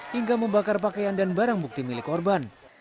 hingga membakar pakaian dan barang bukti milik korban